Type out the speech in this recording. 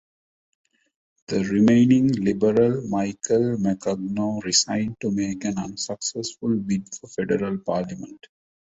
The remaining Liberal, Michael Maccagno, resigned to make an unsuccessful bid for federal parliament.